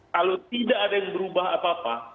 kalau tidak ada yang berubah apa apa